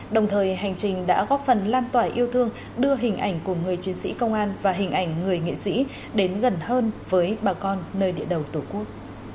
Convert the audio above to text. đồng thời hành trình đã góp phần lan tỏa yêu thương đưa hình ảnh của người chiến sĩ công an và hình ảnh người nghệ sĩ đến gần hơn với bà con nơi địa đầu tổ quốc